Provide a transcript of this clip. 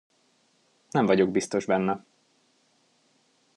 Nem vagyok biztos benne.